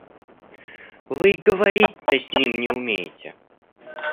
Вы и говорить-то с ним не умеете.